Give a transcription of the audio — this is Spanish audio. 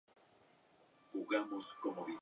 Cuya cabecera municipal es la localidad de Zempoala.